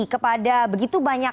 kepada begitu banyak